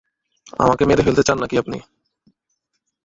আমাকে মেরে ফেলতে চান নাকি আপনি?